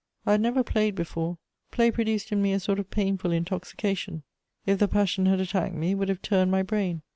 I had never played before: play produced in me a sort of painful intoxication; if the passion had attacked me, it would have turned my brain.